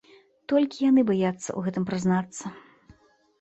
Толькі яны баяцца ў гэтым прызнацца.